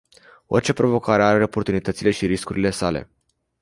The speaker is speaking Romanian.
Orice provocare are oportunitățile și riscurile sale.